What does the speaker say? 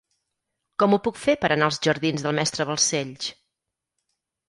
Com ho puc fer per anar als jardins del Mestre Balcells?